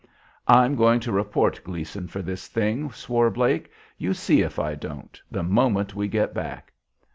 "I'm going to report Gleason for this thing," swore Blake; "you see if I don't, the moment we get back."